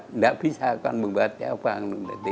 tidak bisa akan membuatnya apa